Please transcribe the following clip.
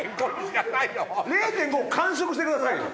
０．５を完食してくださいよ